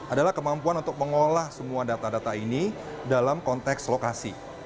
adalah kemampuan untuk mengolah semua data data ini dalam konteks lokasi